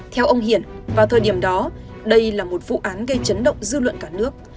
theo ông hiển vào thời điểm đó đây là một vụ án gây chấn động dư luận cả nước